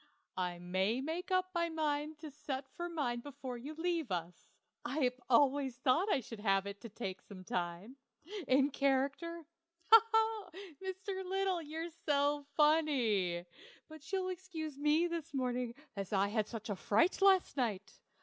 I may make up my mind to set for mine before you leave us; I've always thought I should have it taken some time. In character? He! he! Mr. Little, you're so funny! But you'll excuse me this morning, as I had such a fright last night.